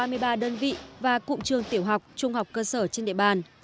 đặc biệt là đơn vị và cụm trường tiểu học trung học cơ sở trên địa bàn